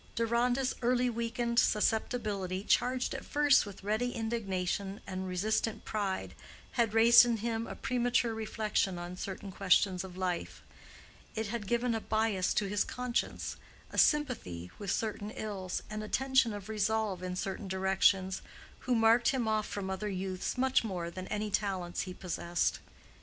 Deronda's early weakened susceptibility, charged at first with ready indignation and resistant pride, had raised in him a premature reflection on certain questions of life; it had given a bias to his conscience, a sympathy with certain ills, and a tension of resolve in certain directions, who marked him off from other youths much more than any talents he possessed.